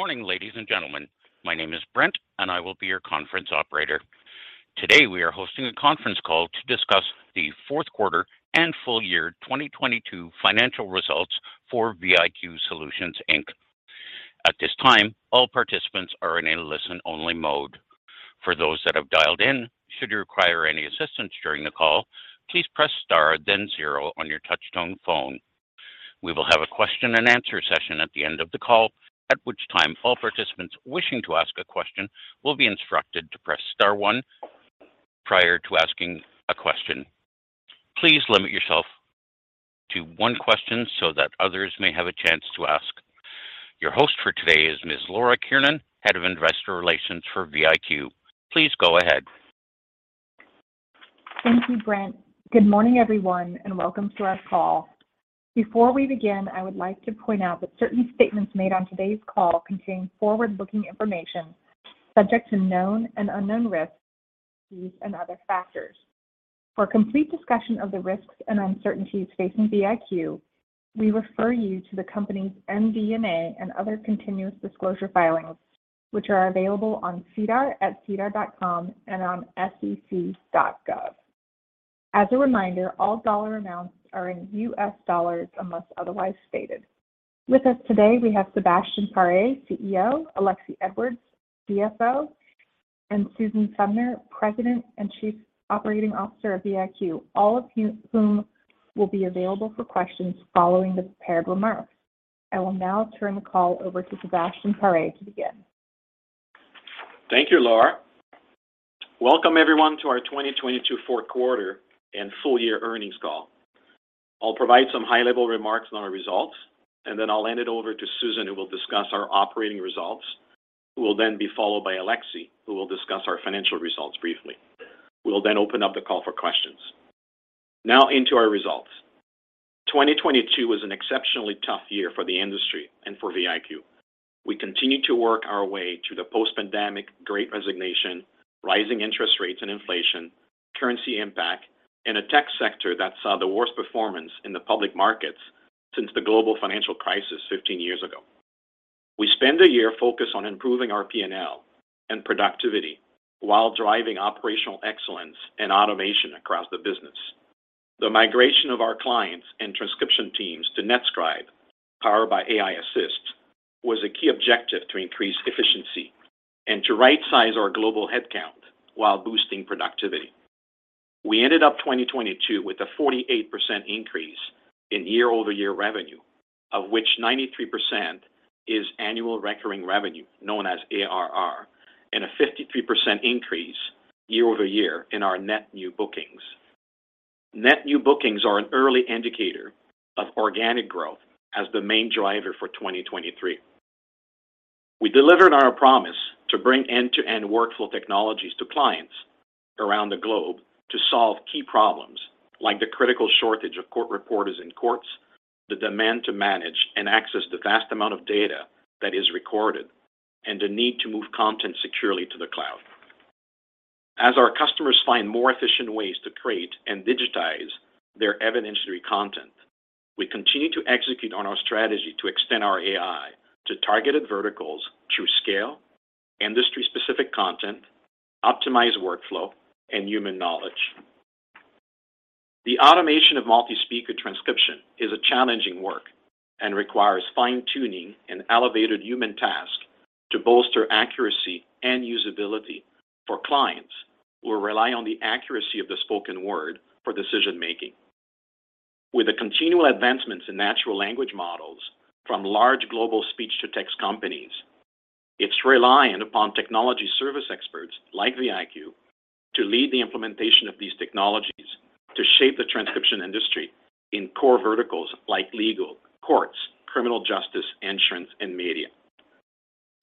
Morning, ladies and gentlemen. My name is Brent, and I will be your conference operator. Today, we are hosting a conference call to discuss the fourth quarter and full year 2022 financial results for VIQ Solutions Inc. At this time, all participants are in a listen-only mode. For those that have dialed in, should you require any assistance during the call, please press star then zero on your touch-tone phone. We will have a question and answer session at the end of the call, at which time all participants wishing to ask a question will be instructed to press star one prior to asking a question. Please limit yourself to one question so that others may have a chance to ask. Your host for today is Ms. Laura Kiernan, Head of Investor Relations for VIQ. Please go ahead. Thank you, Brent. Good morning, everyone, and welcome to our call. Before we begin, I would like to point out that certain statements made on today's call contain forward-looking information subject to known and unknown risks and other factors. For a complete discussion of the risks and uncertainties facing VIQ, we refer you to the company's MD&A and other continuous disclosure filings, which are available on SEDAR at sedar.com and on sec.gov. As a reminder, all dollar amounts are in US dollars unless otherwise stated. With us today, we have Sébastien Paré, CEO; Alexie Edwards, CFO; and Susan Sumner, President and Chief Operating Officer of VIQ, all of whom will be available for questions following the prepared remarks. I will now turn the call over to Sébastien Paré to begin. Thank you, Laura. Welcome, everyone, to our 2022 4th quarter and full year earnings call. I'll provide some high-level remarks on our results, and then I'll hand it over to Susan, who will discuss our operating results, who will then be followed by Alexie, who will discuss our financial results briefly. We will open up the call for questions. Into our results. 2022 was an exceptionally tough year for the industry and for VIQ. We continued to work our way through the post-pandemic Great Resignation, rising interest rates and inflation, currency impact, and a tech sector that saw the worst performance in the public markets since the global financial crisis 15 years ago. We spent a year focused on improving our P&L and productivity while driving operational excellence and automation across the business. The migration of our clients and transcription teams to NetScribe, powered by aiAssist, was a key objective to increase efficiency and to right-size our global headcount while boosting productivity. We ended up 2022 with a 48% increase in year-over-year revenue, of which 93% is annual recurring revenue, known as ARR, and a 53% increase year-over-year in our net new bookings. Net new bookings are an early indicator of organic growth as the main driver for 2023. We delivered on our promise to bring end-to-end workflow technologies to clients around the globe to solve key problems like the critical shortage of court reporters in courts, the demand to manage and access the vast amount of data that is recorded, and the need to move content securely to the cloud. As our customers find more efficient ways to create and digitize their evidentiary content, we continue to execute on our strategy to extend our AI to targeted verticals through scale, industry-specific content, optimized workflow, and human knowledge. The automation of multi-speaker transcription is a challenging work and requires fine-tuning an elevated human task to bolster accuracy and usability for clients who rely on the accuracy of the spoken word for decision-making. With the continual advancements in natural language models from large global speech-to-text companies, it's reliant upon technology service experts like VIQ to lead the implementation of these technologies to shape the transcription industry in core verticals like legal, courts, criminal justice, insurance, and media.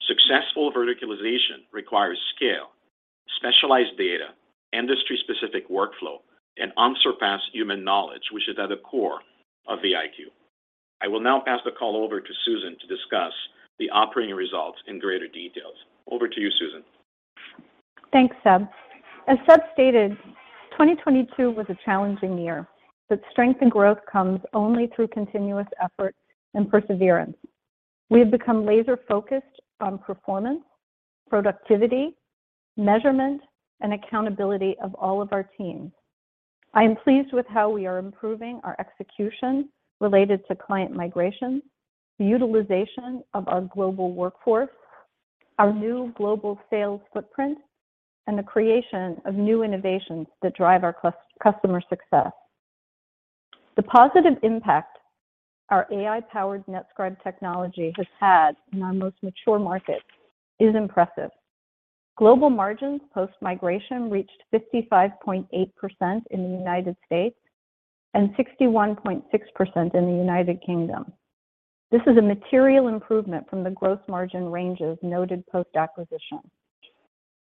Successful verticalization requires scale, specialized data, industry-specific workflow, and unsurpassed human knowledge, which is at the core of VIQ. I will now pass the call over to Susan to discuss the operating results in greater details. Over to you, Susan. Thanks, Seb. As Seb stated, 2022 was a challenging year. Strength and growth comes only through continuous effort and perseverance. We have become laser-focused on performance, productivity, measurement, and accountability of all of our teams. I am pleased with how we are improving our execution related to client migration, the utilization of our global workforce, our new global sales footprint, and the creation of new innovations that drive our customer success. The positive impact our AI-powered NetScribe technology has had in our most mature markets is impressive. Global margins post-migration reached 55.8% in the U.S. and 61.6% in the U.K. This is a material improvement from the growth margin ranges noted post-acquisition.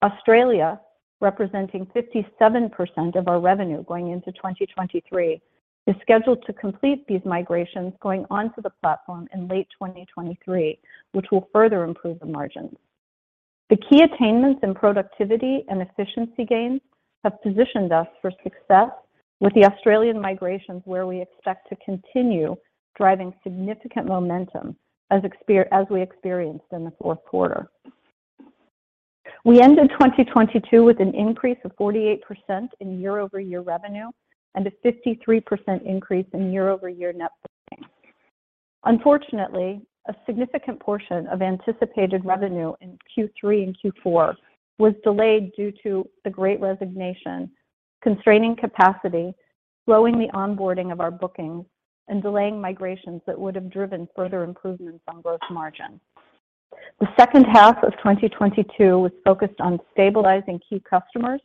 Australia, representing 57% of our revenue going into 2023, is scheduled to complete these migrations going onto the platform in late 2023, which will further improve the margins. The key attainments in productivity and efficiency gains have positioned us for success with the Australian migrations, where we expect to continue driving significant momentum as we experienced in the fourth quarter. We ended 2022 with an increase of 48% in year-over-year revenue and a 53% increase in year-over-year net bookings. Unfortunately, a significant portion of anticipated revenue in Q3 and Q4 was delayed due to the Great Resignation, constraining capacity, slowing the onboarding of our bookings, and delaying migrations that would have driven further improvements on gross margin. The second half of 2022 was focused on stabilizing key customers.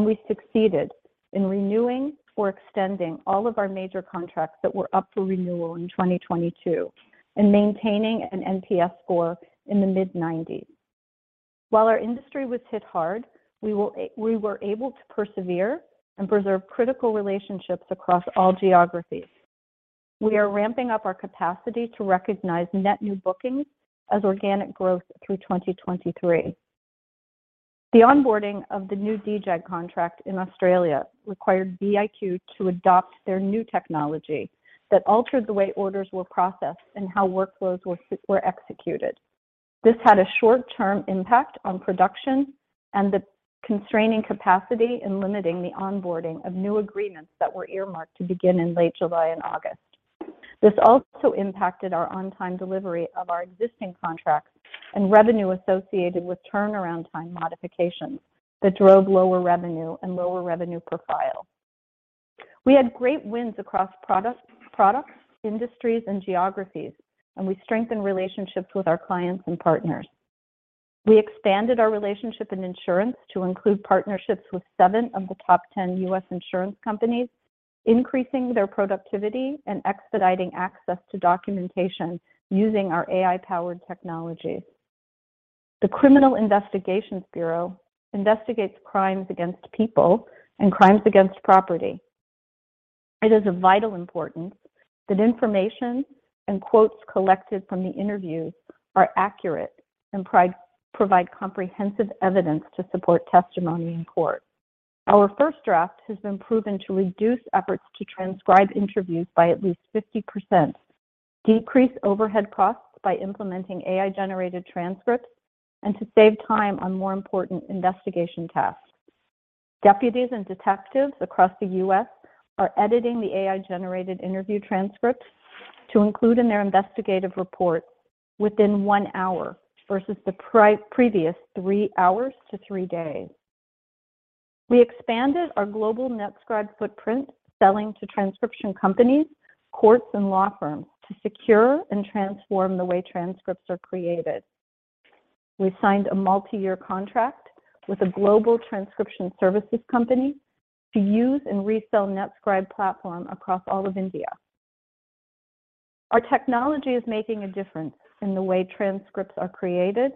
We succeeded in renewing or extending all of our major contracts that were up for renewal in 2022 and maintaining an NPS score in the mid-90s. While our industry was hit hard, we were able to persevere and preserve critical relationships across all geographies. We are ramping up our capacity to recognize net new bookings as organic growth through 2023. The onboarding of the new DJAG contract in Australia required VIQ to adopt their new technology that altered the way orders were processed and how workflows were executed. This had a short-term impact on production and the constraining capacity in limiting the onboarding of new agreements that were earmarked to begin in late July and August. This also impacted our on-time delivery of our existing contracts and revenue associated with turnaround time modifications that drove lower revenue and lower revenue profile. We had great wins across products, industries, and geographies. We strengthened relationships with our clients and partners. We expanded our relationship in insurance to include partnerships with 7 of the top 10 U.S. insurance companies, increasing their productivity and expediting access to documentation using our AI-powered technology. The Criminal Investigations Bureau investigates crimes against people and crimes against property. It is of vital importance that information and quotes collected from the interviews are accurate and provide comprehensive evidence to support testimony in court. Our FirstDraft has been proven to reduce efforts to transcribe interviews by at least 50%, decrease overhead costs by implementing AI-generated transcripts, and to save time on more important investigation tasks. Deputies and detectives across the U.S. are editing the AI-generated interview transcripts to include in their investigative report within 1 hour versus the previous three hours to three days. We expanded our global NetScribe footprint, selling to transcription companies, courts, and law firms to secure and transform the way transcripts are created. We signed a multi-year contract with a global transcription services company to use and resell NetScribe platform across all of India. Our technology is making a difference in the way transcripts are created,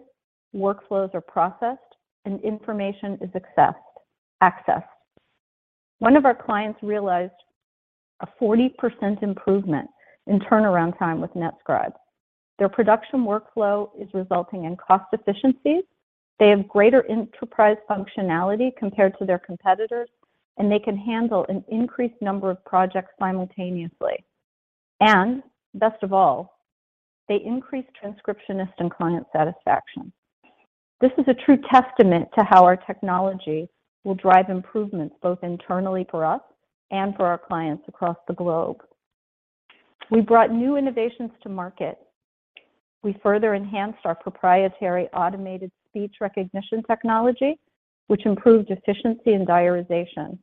workflows are processed, and information is accessed. One of our clients realized a 40% improvement in turnaround time with NetScribe. Their production workflow is resulting in cost efficiencies. They have greater enterprise functionality compared to their competitors. They can handle an increased number of projects simultaneously. Best of all, they increase transcriptionist and client satisfaction. This is a true testament to how our technology will drive improvements both internally for us and for our clients across the globe. We brought new innovations to market. We further enhanced our proprietary automated speech recognition technology, which improved efficiency and diarization,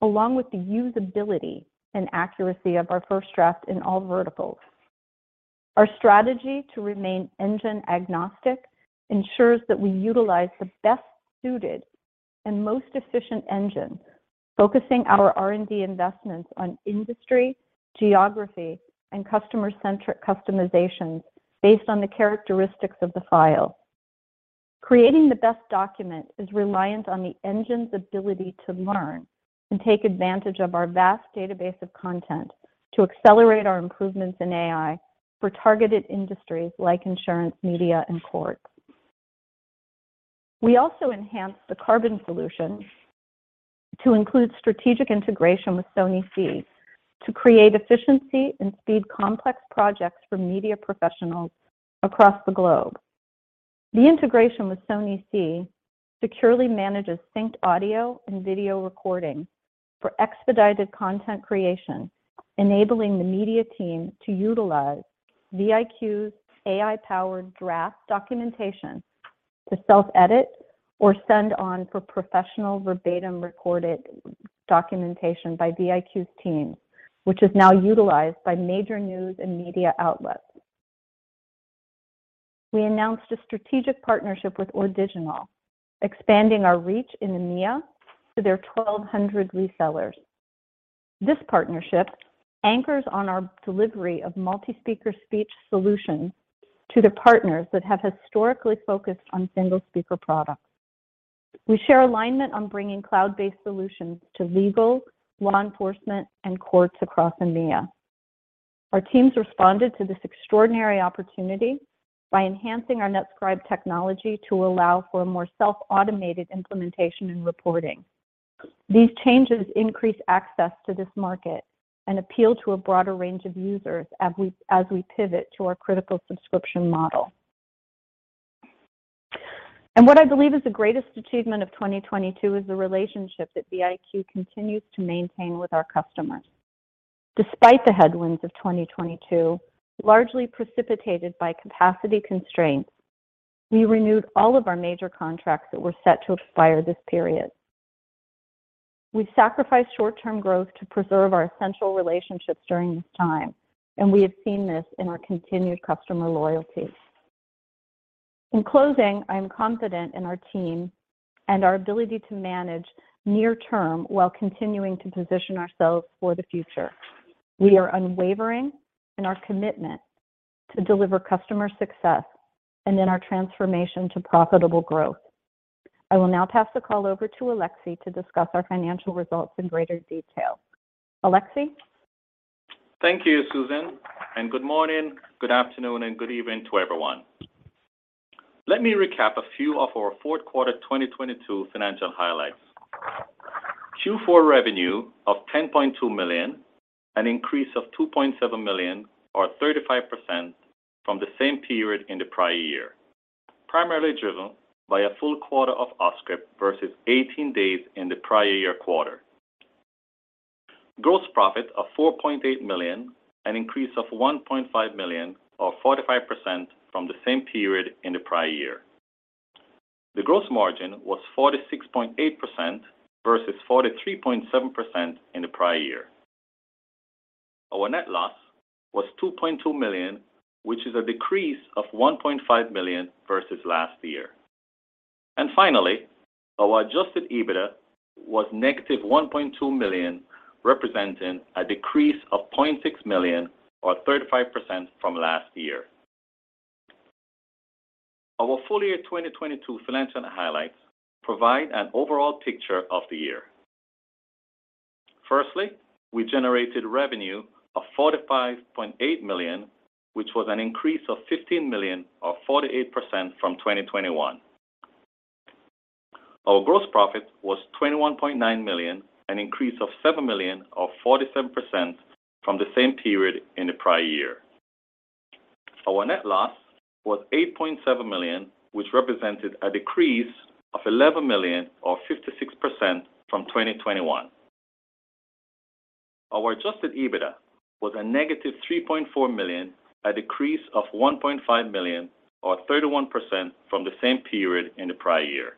along with the usability and accuracy of our FirstDraft in all verticals. Our strategy to remain engine agnostic ensures that we utilize the best suited and most efficient engine, focusing our R&D investments on industry, geography, and customer-centric customizations based on the characteristics of the file. Creating the best document is reliant on the engine's ability to learn and take advantage of our vast database of content to accelerate our improvements in AI for targeted industries like insurance, media, and courts. We also enhanced the Carbon solution to include strategic integration with Sony Ci to create efficiency and speed complex projects for media professionals across the globe. The integration with Sony Ci securely manages synced audio and video recording for expedited content creation, enabling the media team to utilize VIQ's AI-powered draft documentation to self-edit or send on for professional verbatim recorded documentation by VIQ's team, which is now utilized by major news and media outlets. We announced a strategic partnership with ORdigiNAL, expanding our reach in EMEA to their 1,200 resellers. This partnership anchors on our delivery of multi-speaker speech solutions to the partners that have historically focused on single speaker products. We share alignment on bringing cloud-based solutions to legal, law enforcement, and courts across EMEA. Our teams responded to this extraordinary opportunity by enhancing our NetScribe technology to allow for a more self-automated implementation and reporting. These changes increase access to this market and appeal to a broader range of users as we pivot to our critical subscription model. What I believe is the greatest achievement of 2022 is the relationship that VIQ continues to maintain with our customers. Despite the headwinds of 2022, largely precipitated by capacity constraints, we renewed all of our major contracts that were set to expire this period. We sacrificed short-term growth to preserve our essential relationships during this time, and we have seen this in our continued customer loyalty. In closing, I am confident in our team and our ability to manage near term while continuing to position ourselves for the future. We are unwavering in our commitment to deliver customer success and in our transformation to profitable growth. I will now pass the call over to Alexie to discuss our financial results in greater detail. Alexie? Thank you, Susan, and good morning, good afternoon, and good evening to everyone. Let me recap a few of our fourth quarter 2022 financial highlights. Q4 revenue of $10.2 million, an increase of $2.7 million or 35% from the same period in the prior year, primarily driven by a full quarter of Auscript versus 18 days in the prior year quarter. Gross profit of $4.8 million, an increase of $1.5 million or 45% from the same period in the prior year. The gross margin was 46.8% versus 43.7% in the prior year. Our net loss was $2.2 million, which is a decrease of $1.5 million versus last year. Finally, our adjusted EBITDA was negative $1.2 million, representing a decrease of $0.6 million or 35% from last year. Our full year 2022 financial highlights provide an overall picture of the year. Firstly, we generated revenue of $45.8 million, which was an increase of $15 million or 48% from 2021. Our gross profit was $21.9 million, an increase of $7 million or 47% from the same period in the prior year. Our net loss was $8.7 million, which represented a decrease of $11 million or 56% from 2021. Our adjusted EBITDA was a negative $3.4 million, a decrease of $1.5 million or 31% from the same period in the prior year.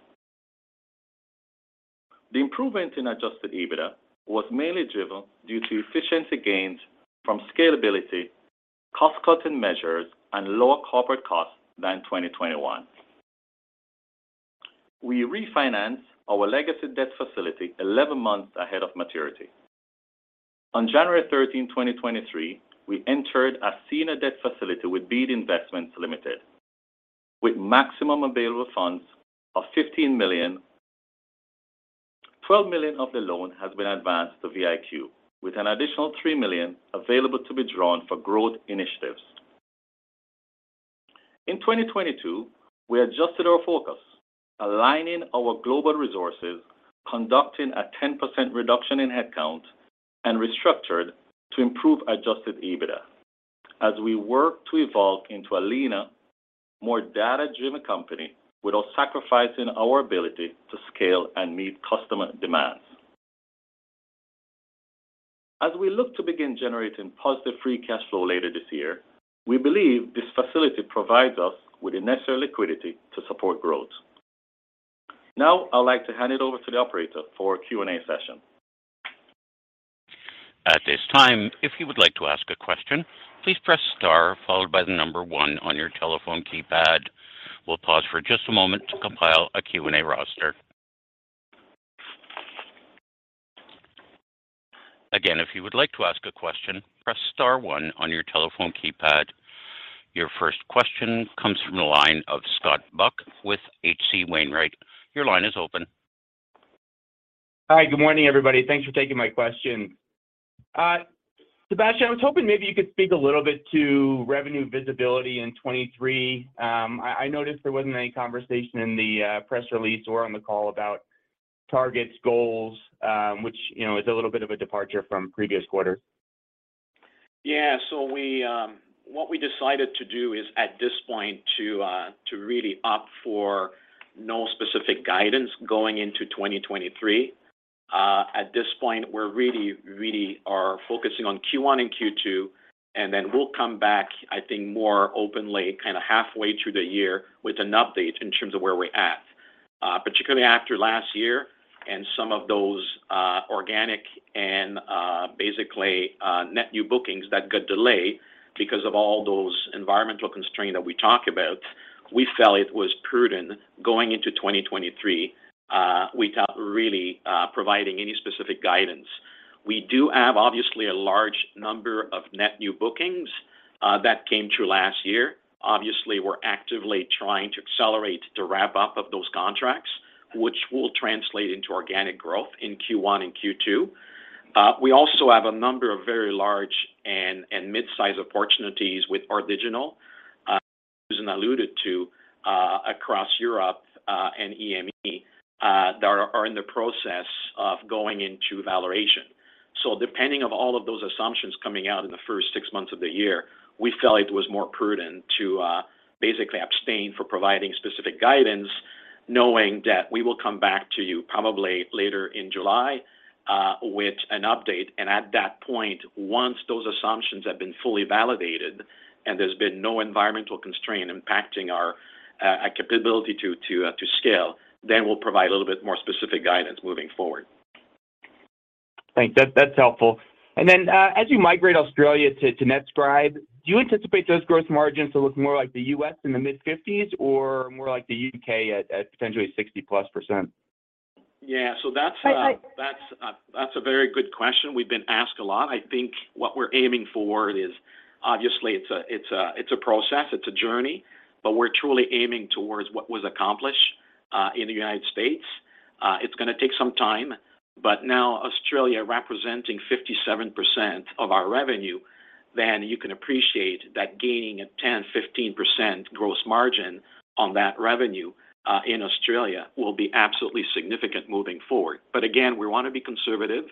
The improvement in adjusted EBITDA was mainly driven due to efficiency gains from scalability, cost-cutting measures, and lower corporate costs than in 2021. We refinanced our legacy debt facility 11 months ahead of maturity. On January 13, 2023, we entered a senior debt facility with Beedie Investments Ltd. With maximum available funds of $15 million, $12 million of the loan has been advanced to VIQ, with an additional $3 million available to be drawn for growth initiatives. In 2022, we adjusted our focus, aligning our global resources, conducting a 10% reduction in headcount, and restructured to improve adjusted EBITDA as we work to evolve into a leaner, more data-driven company without sacrificing our ability to scale and meet customer demands. As we look to begin generating positive free cash flow later this year, we believe this facility provides us with the necessary liquidity to support growth. Now, I'd like to hand it over to the operator for a Q&A session. At this time, if you would like to ask a question, please press star followed by the number one on your telephone keypad. We'll pause for just a moment to compile a Q&A roster. Again, if you would like to ask a question, press star one on your telephone keypad. Your first question comes from the line of Scott Buck with H.C. Wainwright. Your line is open. Hi. Good morning, everybody. Thanks for taking my question. Sébastien, I was hoping maybe you could speak a little bit to revenue visibility in 2023. I noticed there wasn't any conversation in the press release or on the call about targets, goals, which, you know, is a little bit of a departure from previous quarters. Yeah. We decided to do is at this point to really opt for no specific guidance going into 2023. At this point, we really are focusing on Q1 and Q2, and then we'll come back, I think, more openly kind of halfway through the year with an update in terms of where we're at. Particularly after last year and some of those organic and basically net new bookings that got delayed because of all those environmental constraints that we talked about, we felt it was prudent going into 2023 without really providing any specific guidance. We do have obviously a large number of net new bookings that came through last year. Obviously, we're actively trying to accelerate the wrap-up of those contracts, which will translate into organic growth in Q1 and Q2. We also have a number of very large and mid-size opportunities with ORdigiNAL Susan alluded to across Europe and EMEA that are in the process of going into valuation. Depending of all of those assumptions coming out in the first six months of the year, we felt it was more prudent to basically abstain for providing specific guidance knowing that we will come back to you probably later in July with an update. At that point, once those assumptions have been fully validated and there's been no environmental constraint impacting our capability to scale, then we'll provide a little bit more specific guidance moving forward. Thanks. That's helpful. Then, as you migrate Australia to NetScribe, do you anticipate those growth margins to look more like the U.S. in the mid-50s or more like the U.K. at potentially 60%+? That's a very good question we've been asked a lot. I think what we're aiming for is obviously it's a process, it's a journey, but we're truly aiming towards what was accomplished in the United States. It's gonna take some time, but now Australia representing 57% of our revenue, then you can appreciate that gaining a 10%-15% gross margin on that revenue in Australia will be absolutely significant moving forward. Again, we wanna be conservative,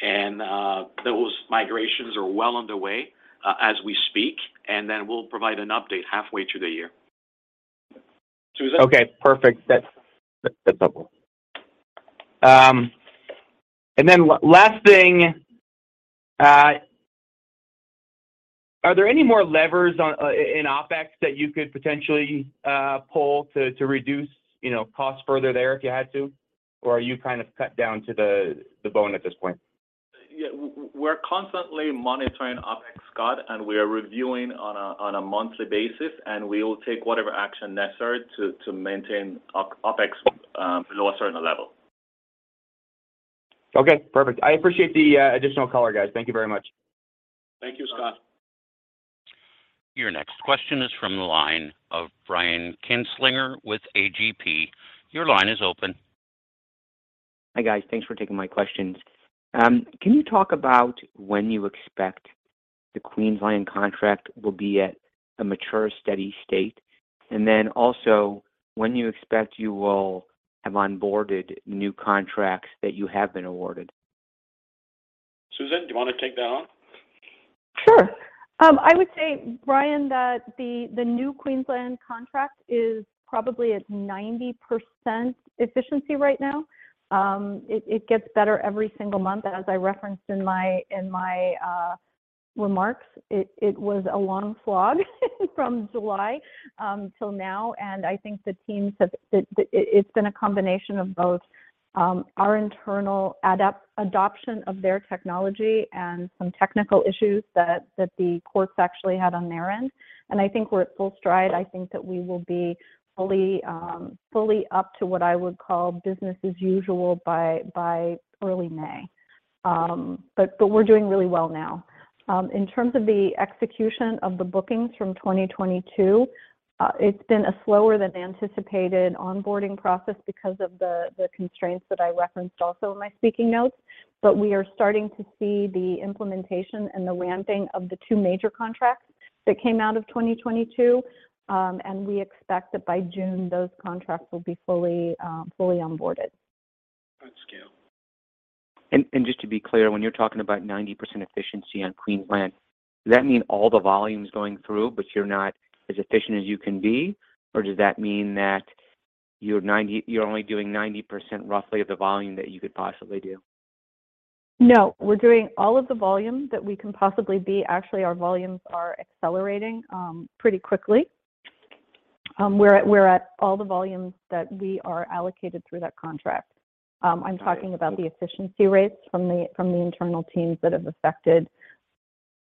and those migrations are well underway as we speak, and then we'll provide an update halfway through the year. Susan? Okay. Perfect. That's helpful. Last thing, are there any more levers on in OpEx that you could potentially pull to reduce, you know, costs further there if you had to? Or are you kind of cut down to the bone at this point? Yeah. We're constantly monitoring OpEx, Scott, and we are reviewing on a monthly basis, and we will take whatever action necessary to maintain OpEx below a certain level. Okay. Perfect. I appreciate the additional color, guys. Thank you very much. Thank you, Scott. Your next question is from the line of Brian Kinstlinger with A.G.P. Your line is open. Hi, guys. Thanks for taking my questions. Can you talk about when you expect the Queensland contract will be at a mature, steady state? Then also when you expect you will have onboarded new contracts that you have been awarded? Susan, do you wanna take that on? Sure. I would say, Brian, that the new Queensland contract is probably at 90% efficiency right now. It gets better every single month. As I referenced in my remarks, it was a long slog from July till now. It's been a combination of both our internal adoption of their technology and some technical issues that the courts actually had on their end, and I think we're at full stride. I think that we will be fully up to what I would call business as usual by early May. We're doing really well now. In terms of the execution of the bookings from 2022, it's been a slower than anticipated onboarding process because of the constraints that I referenced also in my speaking notes. We are starting to see the implementation and the landing of the two major contracts that came out of 2022, and we expect that by June those contracts will be fully onboarded. At scale. Just to be clear, when you're talking about 90% efficiency on Queensland, does that mean all the volume's going through but you're not as efficient as you can be? Or does that mean that you're only doing 90% roughly of the volume that you could possibly do? No. We're doing all of the volume that we can possibly be. Actually, our volumes are accelerating, pretty quickly. We're at all the volumes that we are allocated through that contract. I'm talking about the efficiency rates from the internal teams that have affected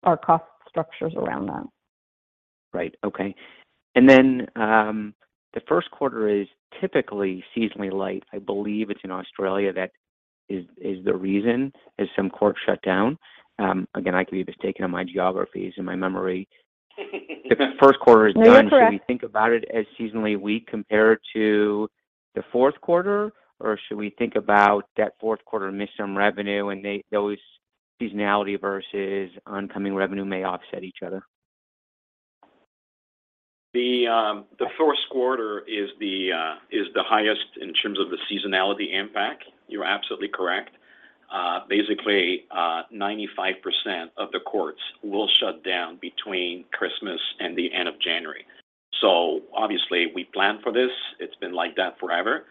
our cost structures around that. Right. Okay. The first quarter is typically seasonally light. I believe it's in Australia that is the reason, as some courts shut down. Again, I could be mistaken on my geographies and my memory. No, you're correct. Should we think about it as seasonally weak compared to the fourth quarter, or should we think about that fourth quarter missed some revenue and those seasonality versus oncoming revenue may offset each other? The fourth quarter is the highest in terms of the seasonality impact. You're absolutely correct. Basically, 95% of the courts will shut down between Christmas and the end of January. Obviously we plan for this. It's been like that forever.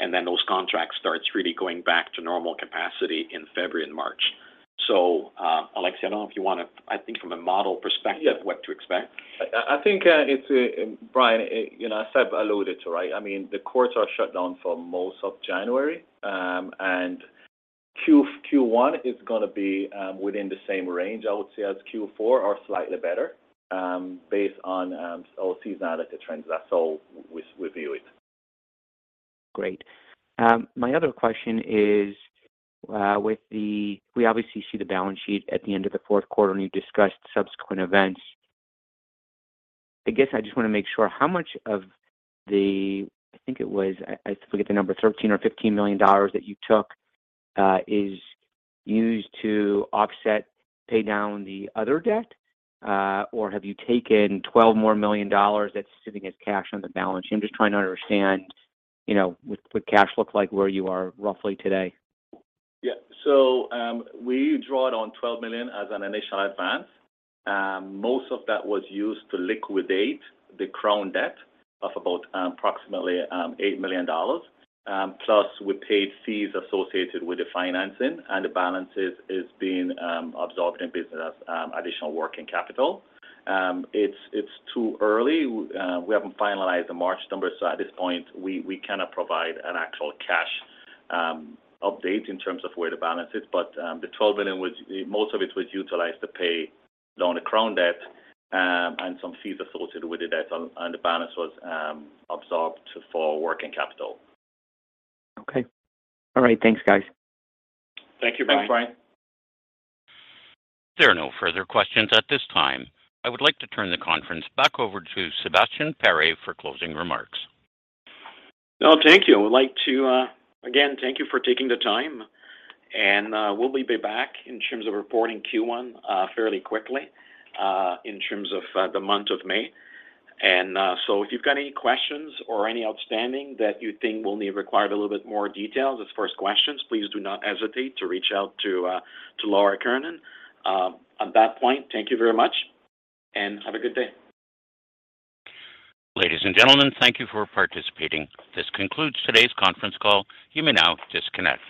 Then those contracts starts really going back to normal capacity in February and March. Alex, I think from a model perspective, what to expect. I think, it's Brian, you know, as I've alluded to, right? I mean, the courts are shut down for most of January. Q1 is gonna be within the same range I would say as Q4 or slightly better, based on seasonality trends. That's how we view it. Great. My other question is, we obviously see the balance sheet at the end of the fourth quarter and you discussed subsequent events. I guess I just wanna make sure how much of the, I think it was, I forget the number, $13 million or $15 million that you took, is used to offset pay down the other debt? Have you taken $12 million that's sitting as cash on the balance sheet? I'm just trying to understand, you know, what cash looks like, where you are roughly today. Yeah. we drawed on $12 million as an initial advance. Most of that was used to liquidate the Crown debt of about, approximately, $8 million. Plus we paid fees associated with the financing, and the balances is being absorbed in business, additional working capital. It's too early. we haven't finalized the March numbers, so at this point, we cannot provide an actual cash update in terms of where the balance is. The $12 million was-- most of it was utilized to pay down the Crown debt, and some fees associated with the debt, and the balance was absorbed for working capital. Okay. All right. Thanks, guys. Thank you, Brian. Thanks, Brian. There are no further questions at this time. I would like to turn the conference back over to Sébastien Pare for closing remarks. No, thank you. I would like to again, thank you for taking the time. We'll be back in terms of reporting Q1 fairly quickly in terms of the month of May. If you've got any questions or any outstanding that you think will need require a little bit more details as first questions, please do not hesitate to reach out to Laura Kiernan. On that point, thank you very much and have a good day. Ladies and gentlemen, thank you for participating. This concludes today's conference call. You may now disconnect.